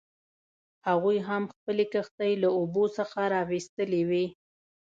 هغوی هم خپلې کښتۍ له اوبو څخه راویستلې وې.